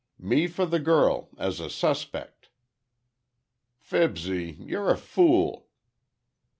Me for the girl—as a suspect." "Fibsy, you're a fool."